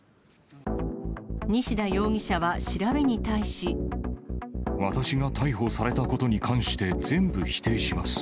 西田容疑者は調べに対し。私が逮捕されたことに関して、全部否定します。